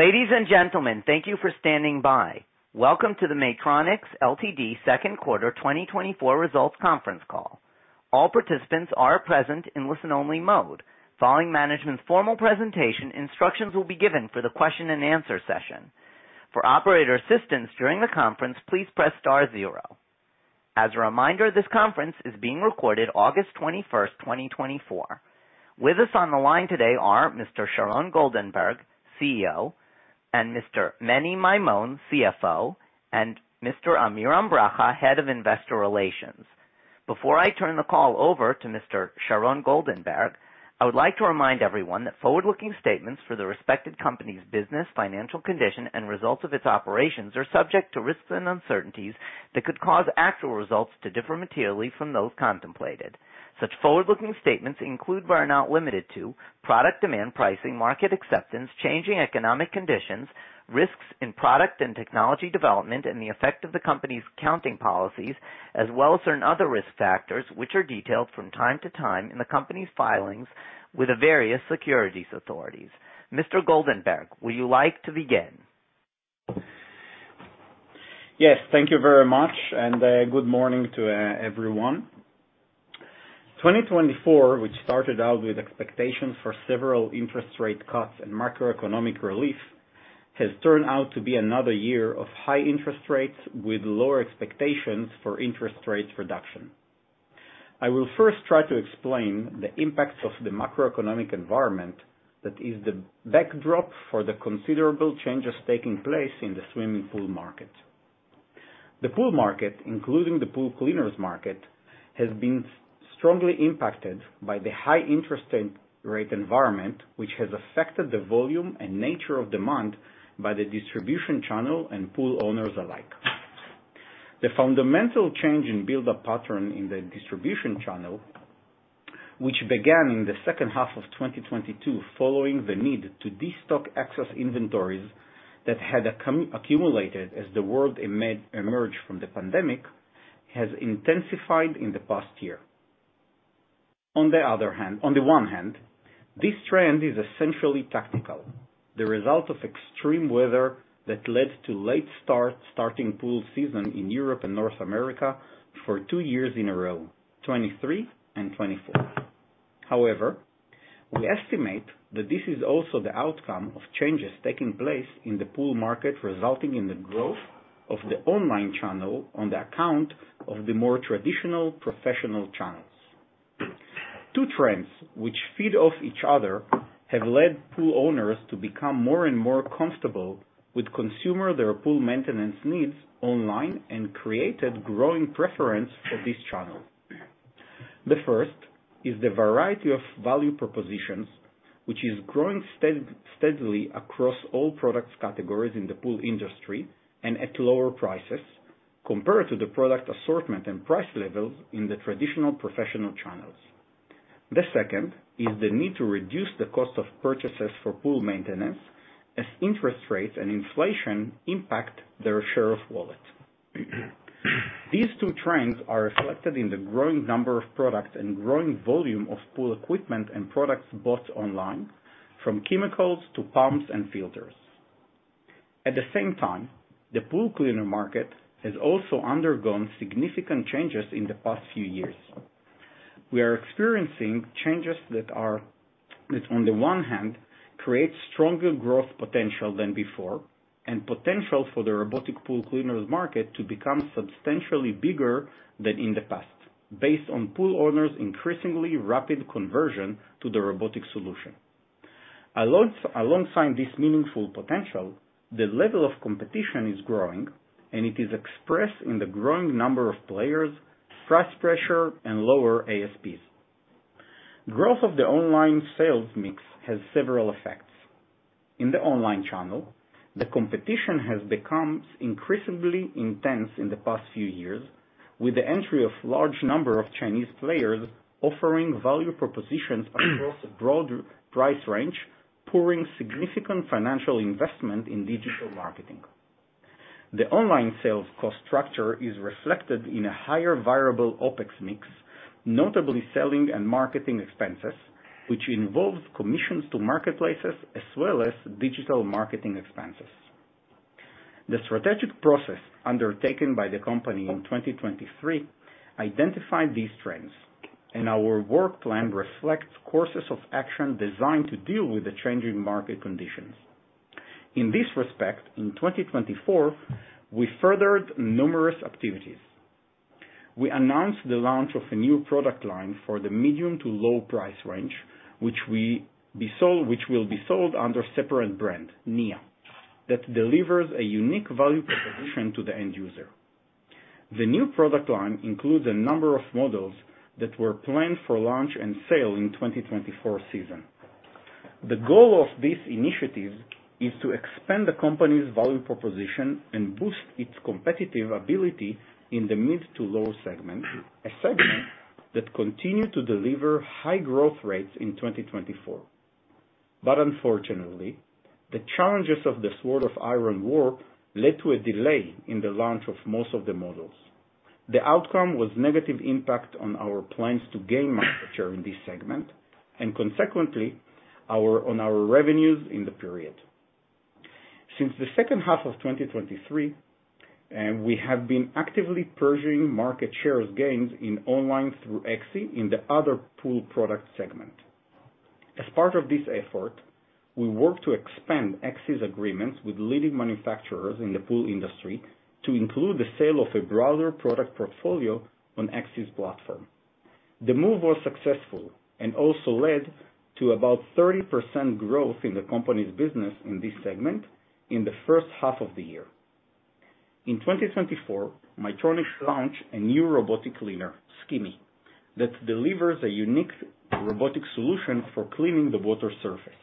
Ladies and gentlemen, thank you for standing by. Welcome to the Maytronics Ltd 2nd Quarter 2024 Results Conference Call. All participants are present in listen-only mode. Following management's formal presentation, instructions will be given for the question and answer session. For operator assistance during the conference, please press star zero. As a reminder, this conference is being recorded August 21st, 2024. With us on the line today are Mr. Sharon Goldenberg, CEO, and Mr. Meni Maimon, CFO, and Mr. Amir Ambarchi, Head of Investor Relations. Before I turn the call over to Mr. Sharon Goldenberg, I would like to remind everyone that forward-looking statements for the respective company's business, financial condition, and results of its operations are subject to risks and uncertainties that could cause actual results to differ materially from those contemplated. Such forward-looking statements include, but are not limited to, product demand, pricing, market acceptance, changing economic conditions, risks in product and technology development, and the effect of the company's accounting policies, as well as certain other risk factors, which are detailed from time to time in the company's filings with the various securities authorities. Mr. Goldenberg, would you like to begin? Yes, thank you very much, and good morning to everyone. 2024, which started out with expectations for several interest rate cuts and macroeconomic relief, has turned out to be another year of high interest rates, with lower expectations for interest rate reduction. I will first try to explain the impacts of the macroeconomic environment that is the backdrop for the considerable changes taking place in the swimming pool market. The pool market, including the pool cleaners market, has been strongly impacted by the high interest rate environment, which has affected the volume and nature of demand by the distribution channel and pool owners alike. The fundamental change in build-up pattern in the distribution channel, which began in the second half of 2022, following the need to destock excess inventories that had accumulated as the world emerged from the pandemic, has intensified in the past year. On the other hand... On the one hand, this trend is essentially tactical, the result of extreme weather that led to late start, starting pool season in Europe and North America for two years in a row, 2023 and 2024. However, we estimate that this is also the outcome of changes taking place in the pool market, resulting in the growth of the online channel at the expense of the more traditional professional channels. Two trends, which feed off each other, have led pool owners to become more and more comfortable with consuming their pool maintenance needs online and created growing preference for this channel. The first is the variety of value propositions, which is growing steadily across all product categories in the pool industry, and at lower prices compared to the product assortment and price levels in the traditional professional channels. The second is the need to reduce the cost of purchases for pool maintenance as interest rates and inflation impact their share of wallet. These two trends are reflected in the growing number of products and growing volume of pool equipment and products bought online, from chemicals to pumps and filters. At the same time, the pool cleaner market has also undergone significant changes in the past few years. We are experiencing changes that on the one hand, creates stronger growth potential than before, and potential for the robotic pool cleaners market to become substantially bigger than in the past, based on pool owners' increasingly rapid conversion to the robotic solution. Alongside this meaningful potential, the level of competition is growing, and it is expressed in the growing number of players, price pressure, and lower ASPs. Growth of the online sales mix has several effects. In the online channel, the competition has become increasingly intense in the past few years, with the entry of large number of Chinese players offering value propositions across a broad price range, pouring significant financial investment in digital marketing. The online sales cost structure is reflected in a higher variable OpEx mix, notably selling and marketing expenses, which involves commissions to marketplaces as well as digital marketing expenses. The strategic process undertaken by the company in 2023 identified these trends, and our work plan reflects courses of action designed to deal with the changing market conditions. In this respect, in 2024, we furthered numerous activities. We announced the launch of a new product line for the medium to low price range, which will be sold under separate brand, Nia, that delivers a unique value proposition to the end user. The new product line includes a number of models that were planned for launch and sale in 2024 season. The goal of this initiative is to expand the company's value proposition and boost its competitive ability in the mid-to-low segment, a segment that continued to deliver high growth rates in 2024, but unfortunately, the challenges of the Swords of Iron War led to a delay in the launch of most of the models. The outcome was negative impact on our plans to gain market share in this segment, and consequently, on our revenues in the period. Since the second half of 2023, we have been actively pursuing market shares gains in online through ASCI in the other pool product segment. As part of this effort, we work to expand ASCI's agreements with leading manufacturers in the pool industry to include the sale of a broader product portfolio on ASCI's platform. The move was successful and also led to about 30% growth in the company's business in this segment in the first half of the year. In 2024, Maytronics launched a new robotic cleaner, Skimmi, that delivers a unique robotic solution for cleaning the water surface.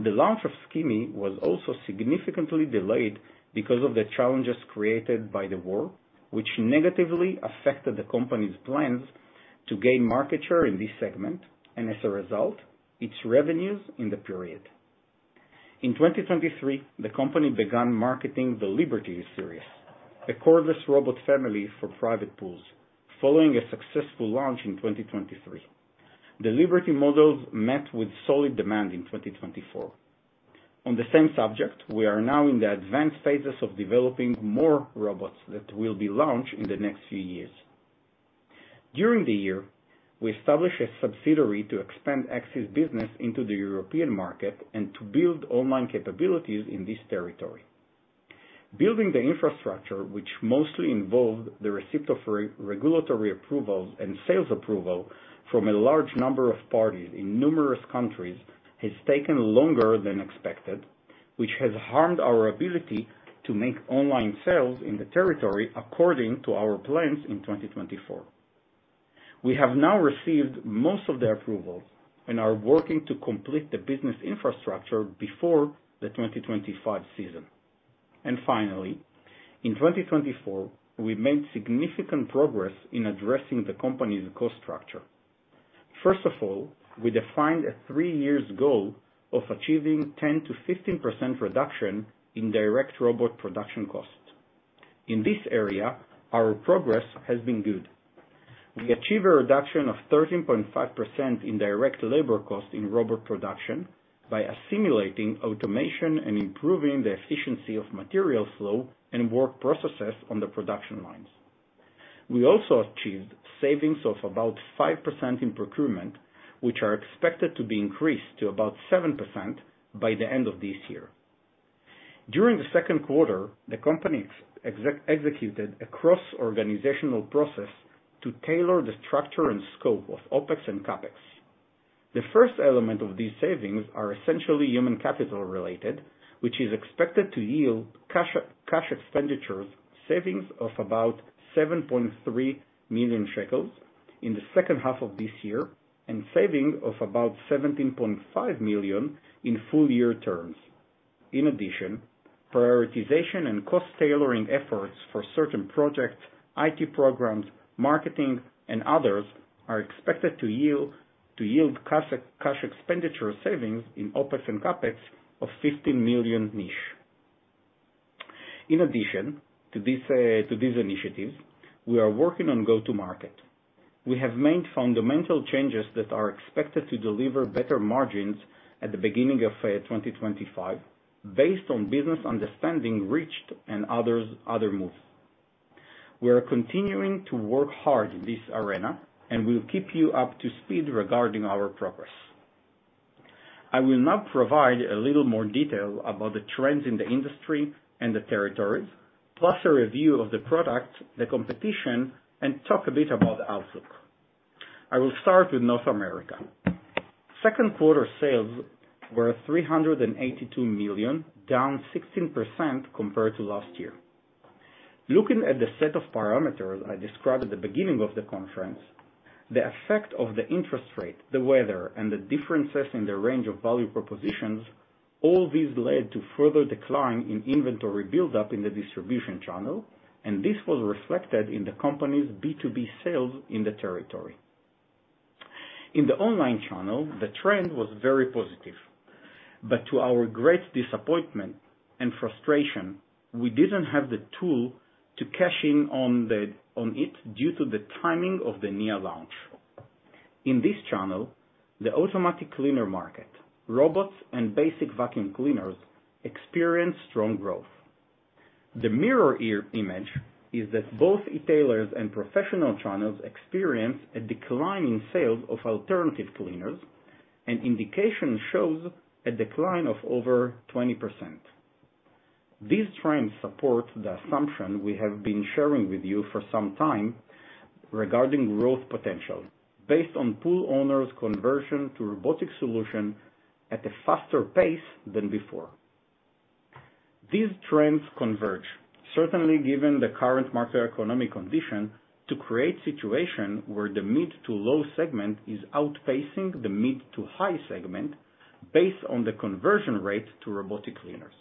The launch of Skimmi was also significantly delayed because of the challenges created by the war, which negatively affected the company's plans to gain market share in this segment, and as a result, its revenues in the period. In 2023, the company began marketing the Liberty series, a cordless robot family for private pools. Following a successful launch in 2023, the Liberty models met with solid demand in 2024. On the same subject, we are now in the advanced phases of developing more robots that will be launched in the next few years. During the year, we established a subsidiary to expand ASCI's business into the European market and to build online capabilities in this territory. Building the infrastructure, which mostly involved the receipt of regulatory approvals and sales approval from a large number of parties in numerous countries, has taken longer than expected, which has harmed our ability to make online sales in the territory according to our plans in 2024. We have now received most of the approvals and are working to complete the business infrastructure before the 2025 season. And finally, in 2024, we made significant progress in addressing the company's cost structure. First of all, we defined a three-year goal of achieving 10%-15% reduction in direct robot production cost. In this area, our progress has been good. We achieved a reduction of 13.5% in direct labor cost in robot production by assimilating automation and improving the efficiency of material flow and work processes on the production lines. We also achieved savings of about 5% in procurement, which are expected to be increased to about 7% by the end of this year. During the second quarter, the company executed a cross-organizational process to tailor the structure and scope of OpEx and CapEx. The first element of these savings are essentially human capital-related, which is expected to yield cash expenditures savings of about 7.3 million shekels in the second half of this year, and saving of about 17.5 million in full year terms. In addition, prioritization and cost tailoring efforts for certain projects, IT programs, marketing, and others, are expected to yield cash expenditure savings in OpEx and CapEx of 15 million. In addition to this, to these initiatives, we are working on go-to-market. We have made fundamental changes that are expected to deliver better margins at the beginning of 2025, based on business understanding reached and others, other moves. We are continuing to work hard in this arena, and we'll keep you up to speed regarding our progress. I will now provide a little more detail about the trends in the industry and the territories, plus a review of the product, the competition, and talk a bit about the outlook. I will start with North America. Second quarter sales were $382 million, down 16% compared to last year. Looking at the set of parameters I described at the beginning of the conference, the effect of the interest rate, the weather, and the differences in the range of value propositions, all these led to further decline in inventory buildup in the distribution channel, and this was reflected in the company's B2B sales in the territory. In the online channel, the trend was very positive, but to our great disappointment and frustration, we didn't have the tool to cash in on it, due to the timing of the Nia launch. In this channel, the automatic cleaner market, robots, and basic vacuum cleaners experienced strong growth. The mirror image is that both e-tailers and professional channels experience a decline in sales of alternative cleaners, and an indication shows a decline of over 20%. These trends support the assumption we have been sharing with you for some time regarding growth potential, based on pool owners' conversion to robotic solution at a faster pace than before. These trends converge, certainly given the current macroeconomic condition, to create a situation where the mid-to-low segment is outpacing the mid-to-high segment, based on the conversion rate to robotic cleaners.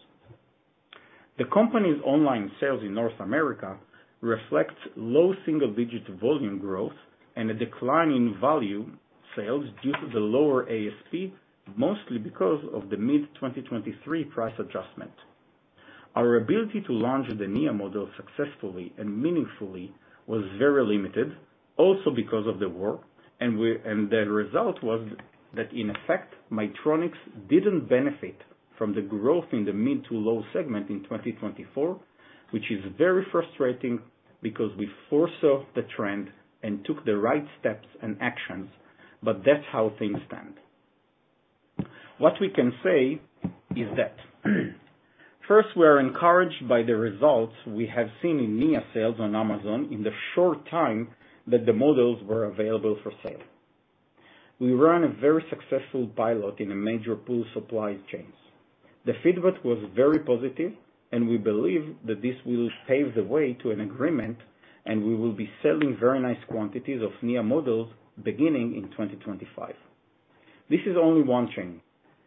The company's online sales in North America reflects low single-digit volume growth and a decline in value sales due to the lower ASP, mostly because of the mid-2023 price adjustment. Our ability to launch the Nia model successfully and meaningfully was very limited, also because of the war, and the result was that, in effect, Maytronics didn't benefit from the growth in the mid-to-low segment in 2024, which is very frustrating, because we foresaw the trend and took the right steps and actions, but that's how things stand. What we can say is that, first, we are encouraged by the results we have seen in Nia sales on Amazon in the short time that the models were available for sale. We ran a very successful pilot in a major pool supply chain. The feedback was very positive, and we believe that this will pave the way to an agreement, and we will be selling very nice quantities of Nia models beginning in 2025. This is only one chain,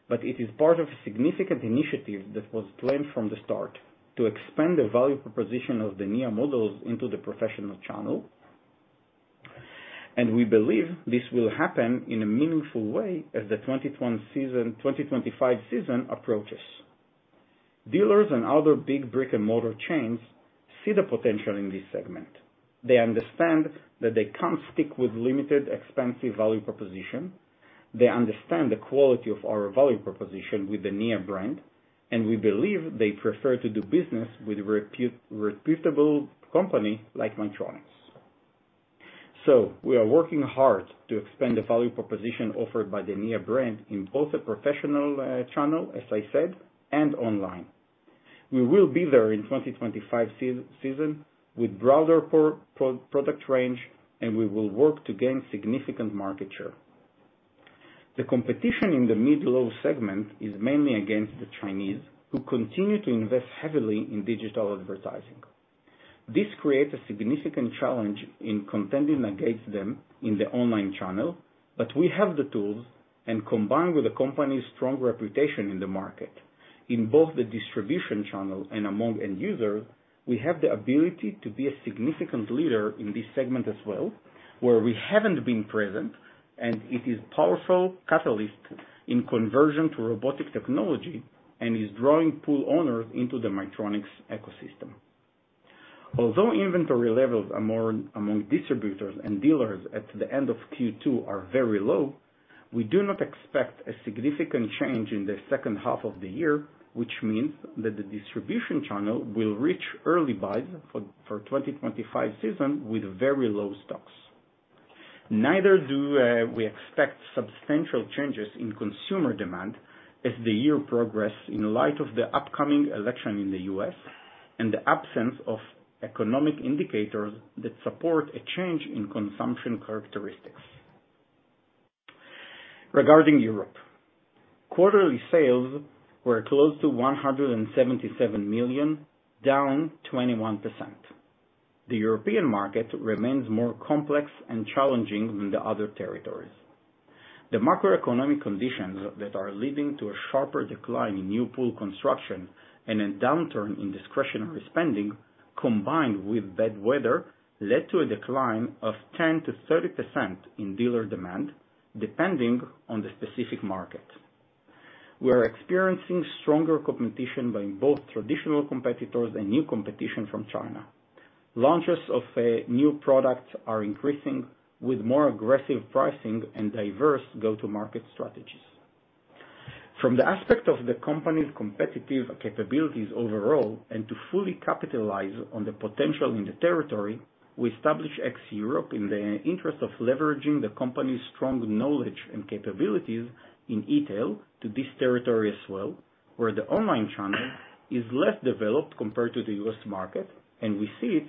but it is part of a significant initiative that was planned from the start to expand the value proposition of the Nia models into the professional channel, and we believe this will happen in a meaningful way as the 2024 season, 2025 season approaches. Dealers and other big brick-and-mortar chains see the potential in this segment. They understand that they can't stick with limited, expensive value proposition. They understand the quality of our value proposition with the Nia brand, and we believe they prefer to do business with a reputable company like Maytronics. So we are working hard to expand the value proposition offered by the Nia brand in both the professional channel, as I said, and online. We will be there in 2025 season with broader product range, and we will work to gain significant market share. The competition in the mid-low segment is mainly against the Chinese, who continue to invest heavily in digital advertising. This creates a significant challenge in contending against them in the online channel, but we have the tools, and combined with the company's strong reputation in the market, in both the distribution channel and among end users, we have the ability to be a significant leader in this segment as well, where we haven't been present, and it is powerful catalyst in conversion to robotic technology and is drawing pool owners into the Maytronics ecosystem. Although inventory levels are more among distributors and dealers at the end of Q2 are very low, we do not expect a significant change in the second half of the year, which means that the distribution channel will reach early buys for 2025 season with very low stocks. Neither do we expect substantial changes in consumer demand as the year progressed, in light of the upcoming election in the U.S., and the absence of economic indicators that support a change in consumption characteristics. Regarding Europe, quarterly sales were close to 177 million, down 21%. The European market remains more complex and challenging than the other territories. The macroeconomic conditions that are leading to a sharper decline in new pool construction and a downturn in discretionary spending, combined with bad weather, led to a decline of 10%-30% in dealer demand, depending on the specific market. We are experiencing stronger competition by both traditional competitors and new competition from China. Launches of new products are increasing, with more aggressive pricing and diverse go-to-market strategies. From the aspect of the company's competitive capabilities overall, and to fully capitalize on the potential in the territory, we established ASCI Europe in the interest of leveraging the company's strong knowledge and capabilities in e-tail to this territory as well, where the online channel is less developed compared to the U.S. market, and we see it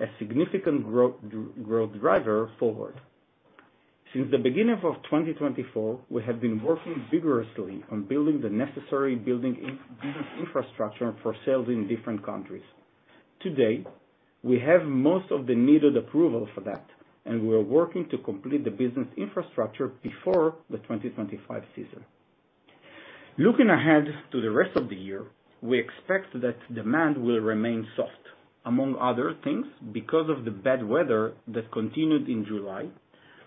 as significant growth driver forward. Since the beginning of 2024, we have been working vigorously on building the necessary in-business infrastructure for sales in different countries. Today, we have most of the needed approval for that, and we are working to complete the business infrastructure before the 2025 season. Looking ahead to the rest of the year, we expect that demand will remain soft, among other things, because of the bad weather that continued in July,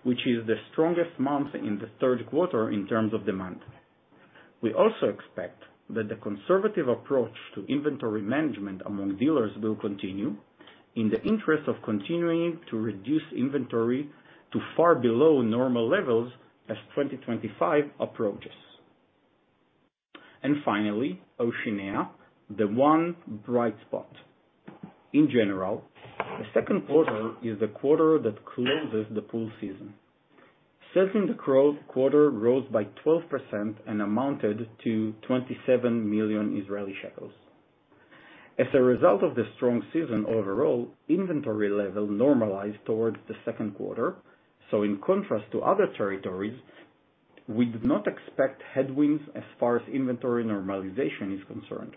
which is the strongest month in the third quarter in terms of demand. We also expect that the conservative approach to inventory management among dealers will continue in the interest of continuing to reduce inventory to far below normal levels as 2025 approaches. And finally, Oceania, the one bright spot. In general, the second quarter is the quarter that closes the pool season. Sales in the quarter rose by 12% and amounted to 27 million Israeli shekels. As a result of the strong season overall, inventory level normalized towards the second quarter, so in contrast to other territories, we do not expect headwinds as far as inventory normalization is concerned.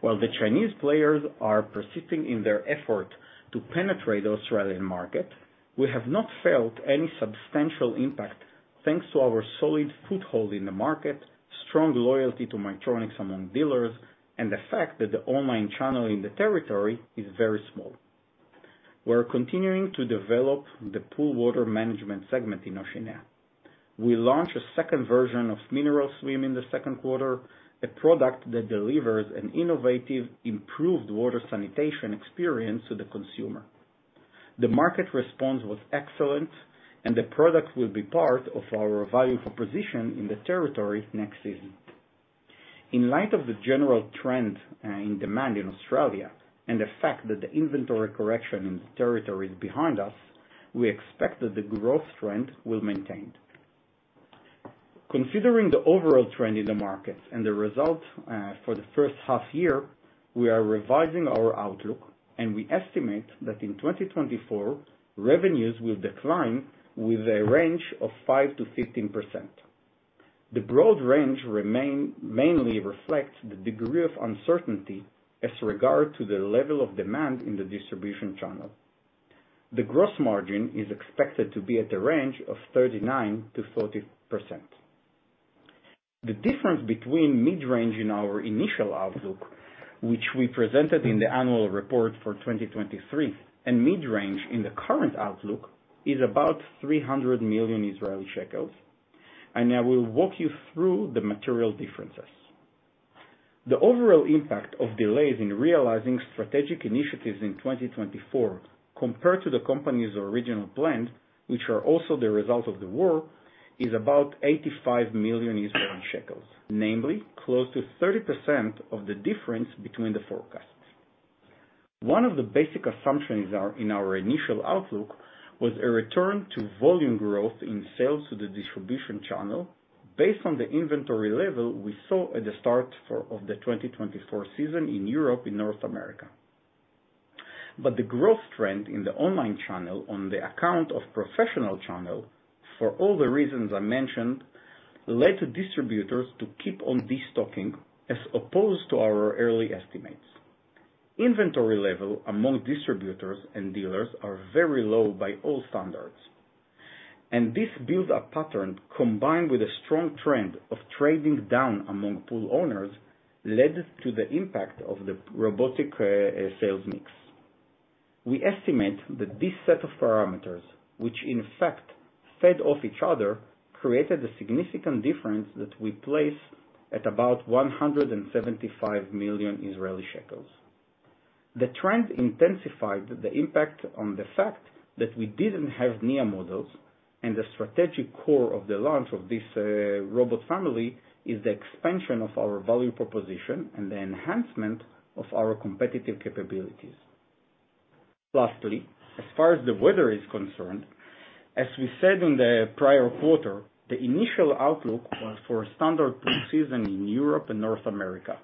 While the Chinese players are persisting in their effort to penetrate the Australian market, we have not felt any substantial impact, thanks to our solid foothold in the market, strong loyalty to Maytronics among dealers, and the fact that the online channel in the territory is very small. We're continuing to develop the pool water management segment in Oceania. We launched a second version of Mineral Swim in the second quarter, a product that delivers an innovative, improved water sanitation experience to the consumer. The market response was excellent, and the product will be part of our value proposition in the territory next season. In light of the general trend in demand in Australia, and the fact that the inventory correction in the territory is behind us, we expect that the growth trend will maintain. Considering the overall trend in the market and the results for the first half year, we are revising our outlook, and we estimate that in 2024, revenues will decline with a range of 5%-15%. The broad range remains mainly reflects the degree of uncertainty as regards the level of demand in the distribution channel. The gross margin is expected to be at the range of 39%-40%. The difference between mid-range in our initial outlook, which we presented in the annual report for 2023, and mid-range in the current outlook, is about 300 million Israeli shekels, and I will walk you through the material differences. The overall impact of delays in realizing strategic initiatives in 2024, compared to the company's original plan, which are also the result of the war, is about 85 million Israeli shekels, namely, close to 30% of the difference between the forecasts. One of the basic assumptions are, in our initial outlook, was a return to volume growth in sales to the distribution channel, based on the inventory level we saw at the start of the 2024 season in Europe and North America. But the growth trend in the online channel, on the account of professional channel, for all the reasons I mentioned, led to distributors to keep on destocking, as opposed to our early estimates. Inventory level among distributors and dealers are very low by all standards, and this build-up pattern, combined with a strong trend of trading down among pool owners, led to the impact of the robotic sales mix. We estimate that this set of parameters, which in fact fed off each other, created a significant difference that we place at about 175 million Israeli shekels. The trend intensified the impact on the fact that we didn't have new models, and the strategic core of the launch of this robot family, is the expansion of our value proposition and the enhancement of our competitive capabilities. Lastly, as far as the weather is concerned, as we said in the prior quarter, the initial outlook was for a standard pool season in Europe and North America,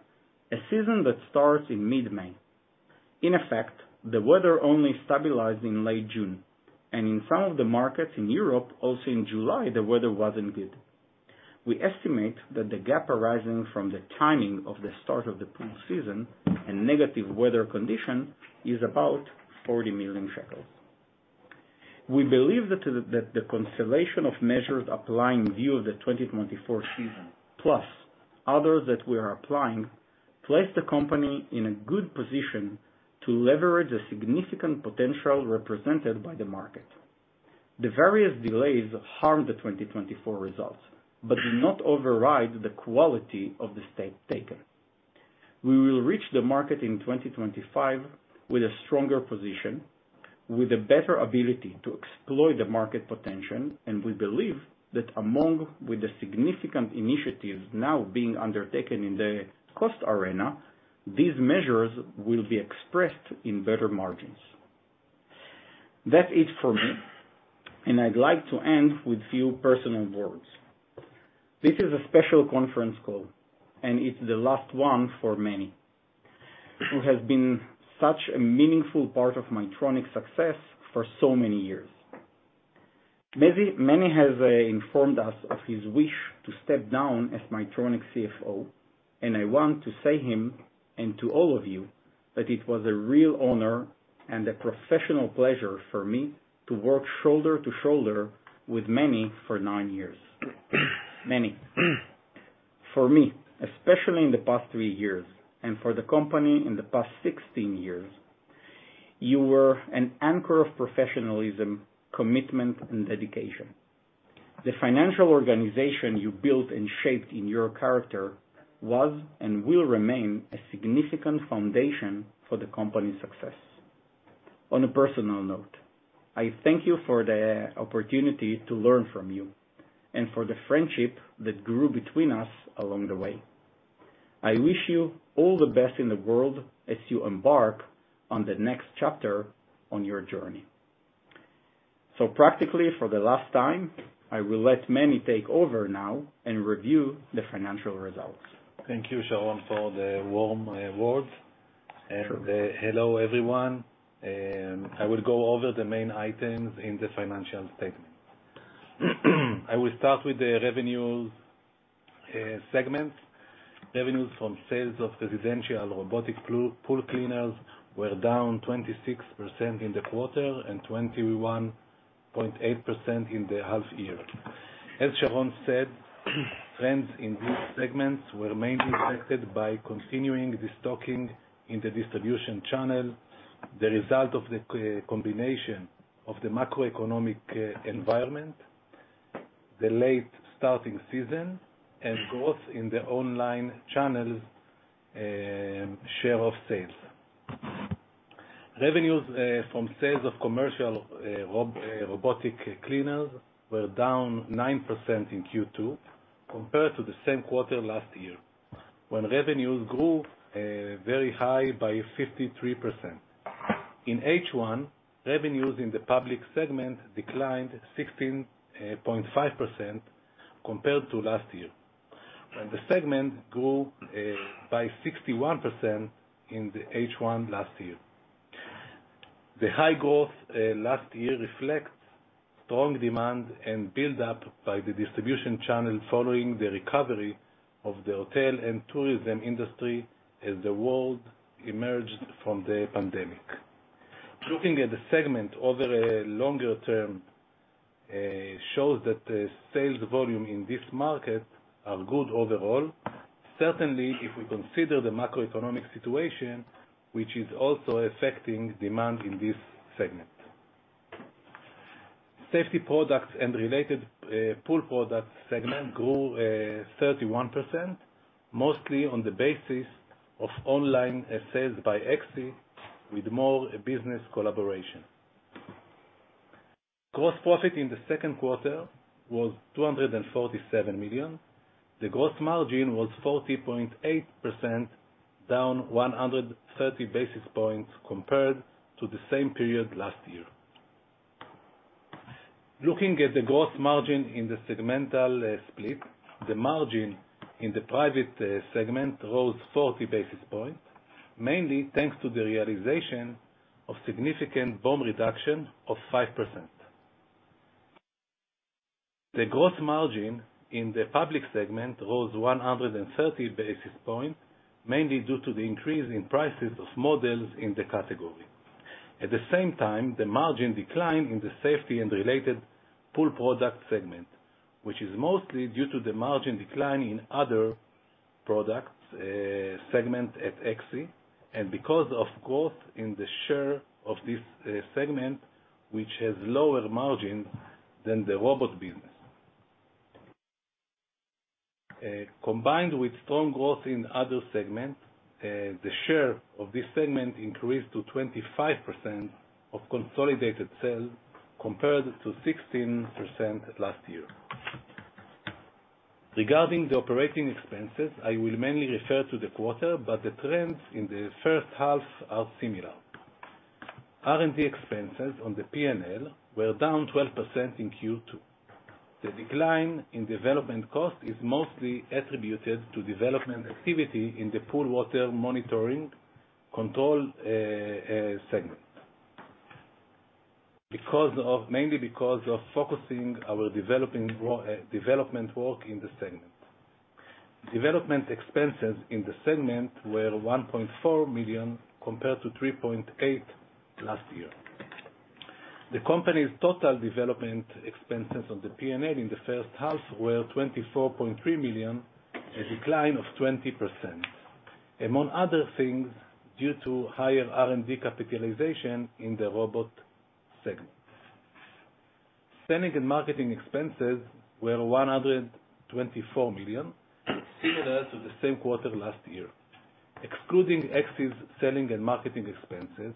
a season that starts in mid-May. In effect, the weather only stabilized in late June, and in some of the markets in Europe, also in July, the weather wasn't good. We estimate that the gap arising from the timing of the start of the pool season and negative weather condition is about 40 million shekels. We believe that the constellation of measures applying view of the 2024 season, plus others that we are applying, place the company in a good position to leverage the significant potential represented by the market. The various delays harmed the 2024 results, but did not override the quality of the step taken. We will reach the market in 2025 with a stronger position, with a better ability to exploit the market potential, and we believe that among... With the significant initiatives now being undertaken in the cost arena, these measures will be expressed in better margins. That is for me, and I'd like to end with few personal words. This is a special conference call, and it's the last one for Meni, who has been such a meaningful part of Maytronics's success for so many years. Meni has informed us of his wish to step down as Maytronics CFO, and I want to say him, and to all of you, that it was a real honor and a professional pleasure for me to work shoulder to shoulder with Meni for nine years. Meni, for me, especially in the past three years, and for the company in the past sixteen years, you were an anchor of professionalism, commitment, and dedication. The financial organization you built and shaped in your character was, and will remain, a significant foundation for the company's success. On a personal note, I thank you for the opportunity to learn from you and for the friendship that grew between us along the way. I wish you all the best in the world as you embark on the next chapter on your journey. So practically, for the last time, I will let Meni take over now and review the financial results. Thank you, Sharon, for the warm words. Sure. Hello, everyone. I will go over the main items in the financial statement. I will start with the revenues segment. ... revenues from sales of residential robotic pool cleaners were down 26% in the quarter and 21.8% in the half year. As Sharon said, trends in these segments were mainly affected by continuing destocking in the distribution channel, the result of the combination of the macroeconomic environment, the late starting season, and growth in the online channel share of sales. Revenues from sales of commercial robotic cleaners were down 9% in Q2, compared to the same quarter last year, when revenues grew very high by 53%. In H1, revenues in the public segment declined 16.5% compared to last year, when the segment grew by 61% in the H1 last year. The high growth last year reflects strong demand and build-up by the distribution channel, following the recovery of the hotel and tourism industry as the world emerged from the pandemic. Looking at the segment over a longer term shows that the sales volume in this market are good overall. Certainly, if we consider the macroeconomic situation, which is also affecting demand in this segment. Safety products and related pool products segment grew 31%, mostly on the basis of online sales by ASCI, with more business collaboration. Gross profit in the second quarter was $247 million. The gross margin was 40.8%, down 130 basis points compared to the same period last year. Looking at the gross margin in the segmental split, the margin in the private segment rose 40 basis points, mainly thanks to the realization of significant BOM reduction of 5%. The gross margin in the public segment rose one hundred and 30 basis points, mainly due to the increase in prices of models in the category. At the same time, the margin declined in the safety and related pool product segment, which is mostly due to the margin decline in other products segment at ASCI, and because of growth in the share of this segment, which has lower margin than the robot business. Combined with strong growth in other segments, the share of this segment increased to 25% of consolidated sales, compared to 16% last year. Regarding the operating expenses, I will mainly refer to the quarter, but the trends in the first half are similar. R&D expenses on the P&L were down 12% in Q2. The decline in development cost is mostly attributed to development activity in the pool water monitoring control segment. Mainly because of focusing our development work in the segment. Development expenses in the segment were 1.4 million, compared to 3.8 last year. The company's total development expenses on the P&L in the first half were 24.3 million, a decline of 20%, among other things, due to higher R&D capitalization in the robot segments. Selling and marketing expenses were 124 million, similar to the same quarter last year. Excluding ASCI's selling and marketing expenses,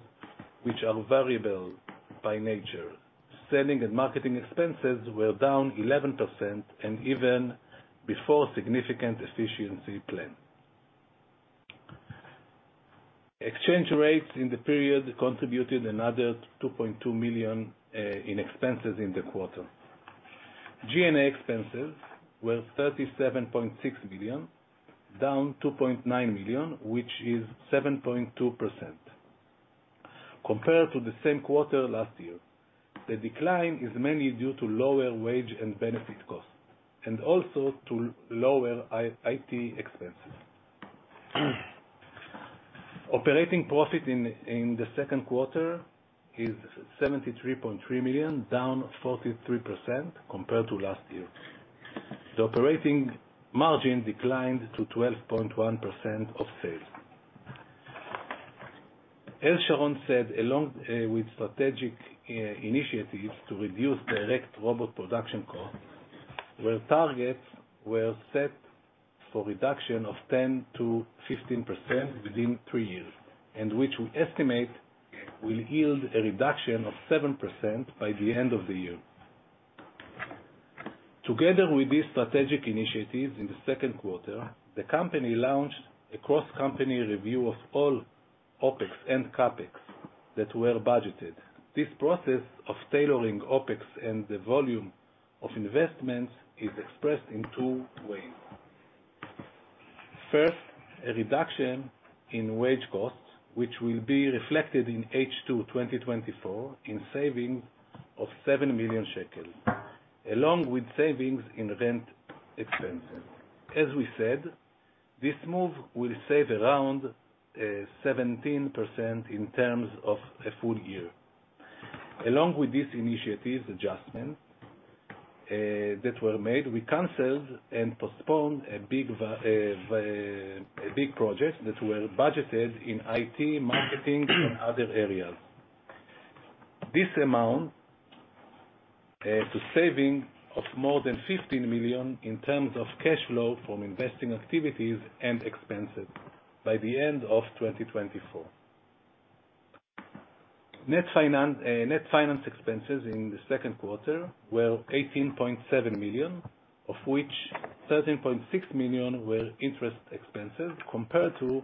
which are variable by nature, selling and marketing expenses were down 11%, and even before significant efficiency plan. Exchange rates in the period contributed another 2.2 million in expenses in the quarter. G&A expenses were 37.6 million, down 2.9 million, which is 7.2%, compared to the same quarter last year. The decline is mainly due to lower wage and benefit costs, and also to lower IT expenses. Operating profit in the second quarter is 73.3 million, down 43% compared to last year. The operating margin declined to 12.1% of sales. As Sharon said, along with strategic initiatives to reduce direct robot production costs, where targets were set for reduction of 10%-15% within three years, and which we estimate will yield a reduction of 7% by the end of the year. Together with these strategic initiatives in the second quarter, the company launched a cross-company review of all OpEx and CapEx that were budgeted. This process of tailoring OpEx and the volume of investments is expressed in two ways. First, a reduction in wage costs, which will be reflected in H2 2024, in savings of 7 million shekels, along with savings in rent expenses. As we said, this move will save around 17% in terms of a full year. Along with these initiatives adjustment that were made, we canceled and postponed a big project that were budgeted in IT, marketing, and other areas. This amount to saving of more than 15 million ILS in terms of cash flow from investing activities and expenses by the end of 2024. Net finance expenses in the second quarter were 18.7 million ILS, of which 13.6 million ILS were interest expenses, compared to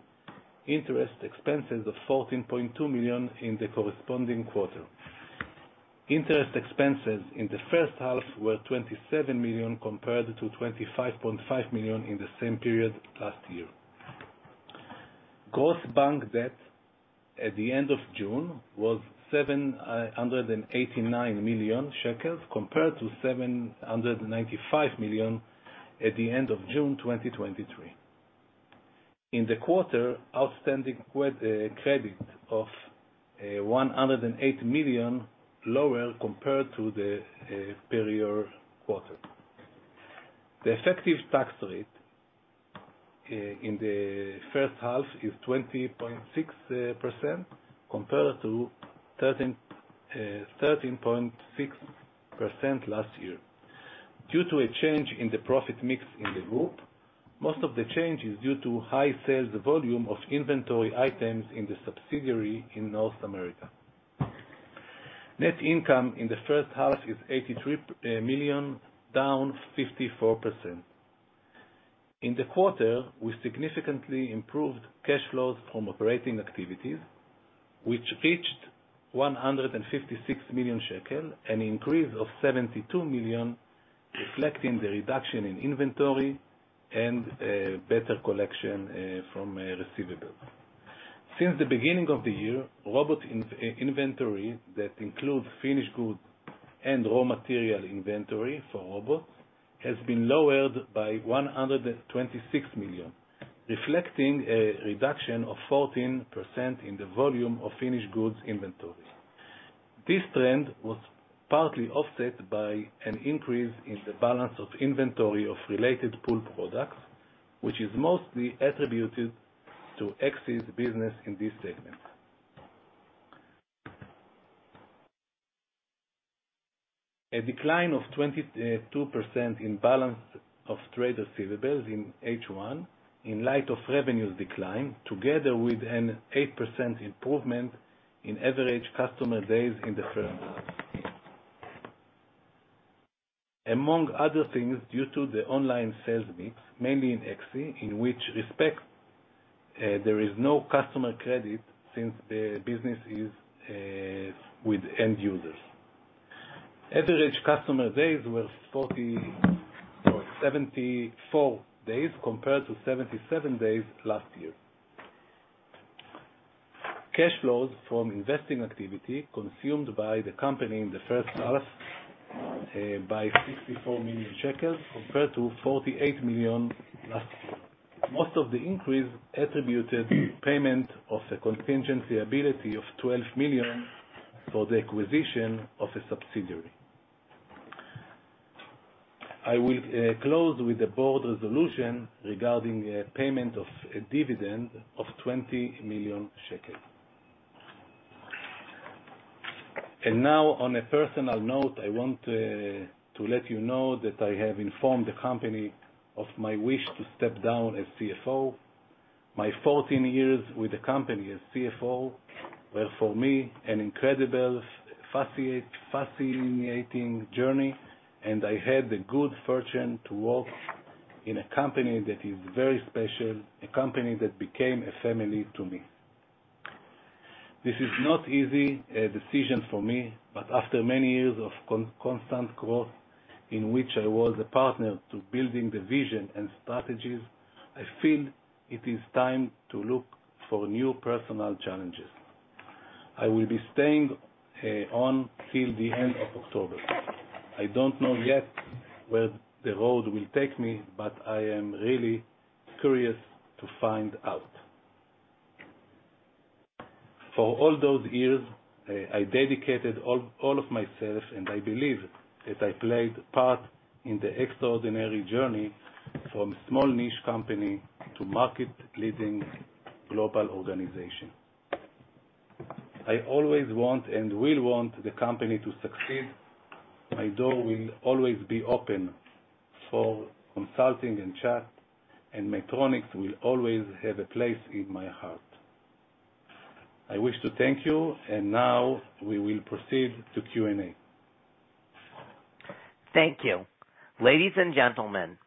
interest expenses of 14.2 million ILS in the corresponding quarter. Interest expenses in the first half were 27 million ILS, compared to 25.5 million ILS in the same period last year. Gross bank debt at the end of June was 789 million shekels, compared to 795 million ILS at the end of June 2023. In the quarter, outstanding credit of 108 million, lower compared to the prior quarter. The effective tax rate in the first half is 20.6%, compared to 13.6% last year. Due to a change in the profit mix in the group, most of the change is due to high sales volume of inventory items in the subsidiary in North America. Net income in the first half is 83 million, down 54%. In the quarter, we significantly improved cash flows from operating activities, which reached 156 million shekel, an increase of 72 million, reflecting the reduction in inventory and better collection from receivables. Since the beginning of the year, robot inventory, that includes finished goods and raw material inventory for robots, has been lowered by 126 million, reflecting a reduction of 14% in the volume of finished goods inventory. This trend was partly offset by an increase in the balance of inventory of related pool products, which is mostly attributed to ASCI business in this segment. A decline of 22% in balance of trade receivables in H1, in light of revenues decline, together with an 8% improvement in average customer days in the first half, among other things due to the online sales mix, mainly in ASCI, in which respect there is no customer credit since the business is with end users. Average customer days were 74 days, compared to 77 days last year. Cash flows from investing activity consumed by the company in the first half by 64 million shekels, compared to 48 million last year. Most of the increase attributed payment of a contingency liability of 12 million for the acquisition of a subsidiary. I will close with the board resolution regarding a payment of a dividend of 20 million shekel. And now, on a personal note, I want to let you know that I have informed the company of my wish to step down as CFO. My 14 years with the company as CFO were, for me, an incredible fascinating journey, and I had the good fortune to work in a company that is very special, a company that became a family to me. This is not easy decision for me, but after many years of constant growth in which I was a partner to building the vision and strategies, I feel it is time to look for new personal challenges. I will be staying on till the end of October. I don't know yet where the road will take me, but I am really curious to find out. For all those years, I dedicated all of myself, and I believe that I played a part in the extraordinary journey from small niche company to market-leading global organization. I always want, and will want, the company to succeed. My door will always be open for consulting and chat, and Maytronics will always have a place in my heart. I wish to thank you, and now we will proceed to Q&A. Thank you. Ladies and gentlemen,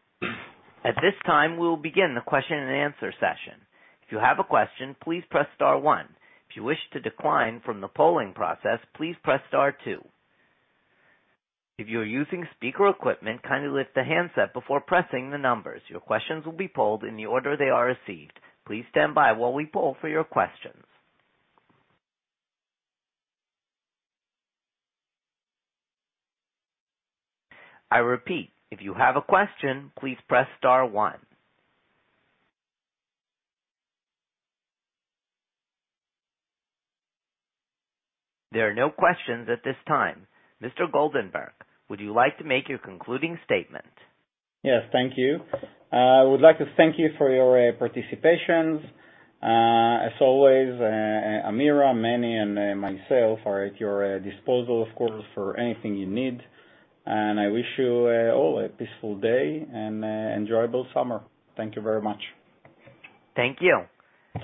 at this time, we will begin the question and answer session. If you have a question, please press star one. If you wish to decline from the polling process, please press star two. If you are using speaker equipment, kindly lift the handset before pressing the numbers. Your questions will be polled in the order they are received. Please stand by while we poll for your questions. I repeat, if you have a question, please press star one. There are no questions at this time. Ms. Goldenberg, would you like to make your concluding statement? Yes. Thank you. I would like to thank you for your participation. As always, Amir, Meni, and myself are at your disposal, of course, for anything you need, and I wish you all a peaceful day and an enjoyable summer. Thank you very much. Thank you.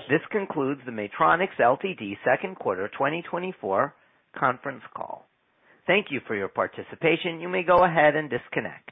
This concludes the Maytronics Ltd.'s second quarter 2024 conference call. Thank you for your participation. You may go ahead and disconnect.